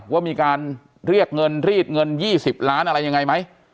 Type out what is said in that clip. ว่ามีการเรียกเงินรีดเงิน๒๐ล้านอะไรยังไงไหม